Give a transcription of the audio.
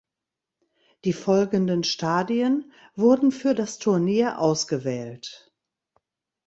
Die folgenden Stadien wurden für das Turnier ausgewählt.